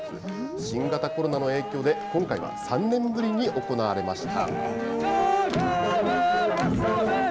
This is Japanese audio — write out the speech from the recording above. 新型コロナの影響で今回は３年ぶりに行われました。